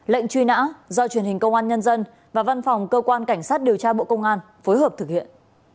lệnh truy nã do truyền hình công an nhân dân và văn phòng cơ quan cảnh sát điều tra bộ công an phối hợp thực hiện